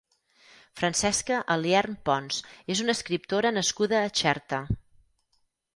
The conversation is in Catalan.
Francesca Aliern Pons és una escriptora nascuda a Xerta.